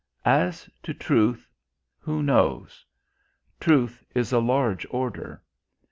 As to Truth, who knows? Truth is a large order.